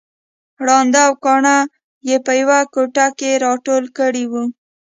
ړانده او کاڼه يې په يوه کوټه کې راټول کړي وو